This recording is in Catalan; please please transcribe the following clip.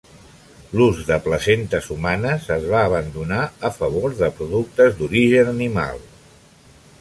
L'ús de placentes humanes es va abandonar a favor de productes d'origen animal.